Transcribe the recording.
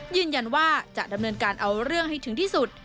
ยืนยันว่าจะดำเนินการเอาเรื่องให้ถึงที่สุด